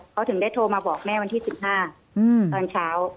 เขาถึงได้โทรมาบอกแม่วันที่๑๕ตอนเช้า